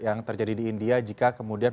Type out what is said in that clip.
yang terjadi di india jika kemudian